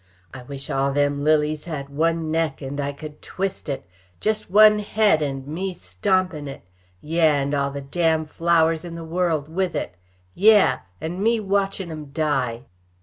"I wish all them lilies had one neck and I could twist it! Jest one head, and me stompin' it! Yeh! and all the damned flowers in the world with it! Yeh! And me watchin' 'em die!"